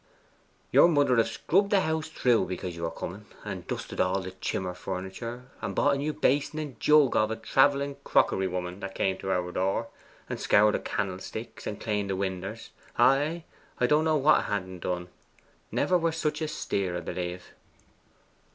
Your mother have scrubbed the house through because ye were coming, and dusted all the chimmer furniture, and bought a new basin and jug of a travelling crockery woman that came to our door, and scoured the cannel sticks, and claned the winders! Ay, I don't know what 'a ha'n't a done. Never were such a steer, 'a b'lieve.